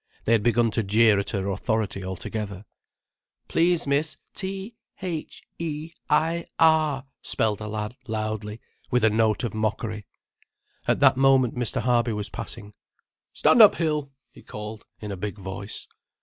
They had begun to jeer at her authority altogether. "Please, miss, t h e i r", spelled a lad, loudly, with a note of mockery. At that moment Mr. Harby was passing. "Stand up, Hill!" he called, in a big voice.